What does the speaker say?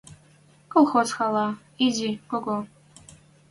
Колхоз хӓлӓ — изи, кого